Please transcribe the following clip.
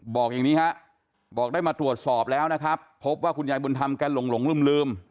บอกอย่างนี้ฮะบอกได้มาตรวจสอบแล้วนะครับพบว่าคุณยายบุญธรรมแกหลงลืม